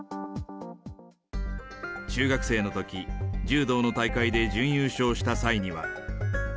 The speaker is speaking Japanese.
中学生のとき、柔道の大会で準優勝した際には。